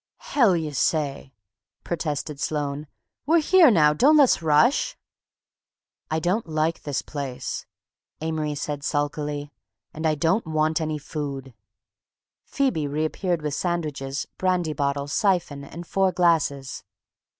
"Hell y' say," protested Sloane. "We're here now—don't le's rush." "I don't like this place," Amory said sulkily, "and I don't want any food." Phoebe reappeared with sandwiches, brandy bottle, siphon, and four glasses.